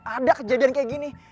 ada kejadian kayak gini